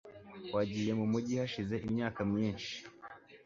Wagiye mu mujyi hashize imyaka myinshi